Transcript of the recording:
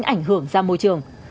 cái ảnh hưởng ra môi trường